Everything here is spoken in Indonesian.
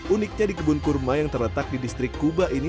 uniknya di kebun kurma yang terletak di distrik kuba ini